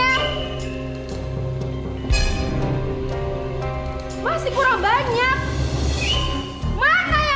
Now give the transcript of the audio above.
mana yang lainnya